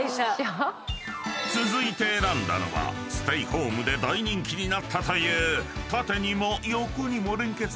［続いて選んだのはステイホームで大人気になったという］